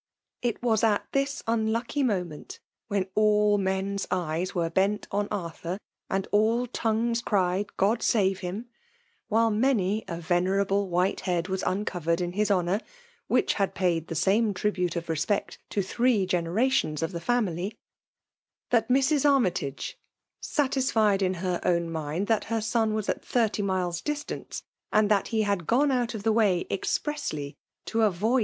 It was at this unlucky moment, when all men's eyes were bent on Arthur, and all tongues cried *' God save him !"— while many . a venerable white head was uncovered in his honour, which had paid the same tribute of respect to three generations of the family, that Mrs. Armytage, satisfied in her own mind that her son was at thirty miles* distance, and that he had gone out of the way expressly to avoid VOL.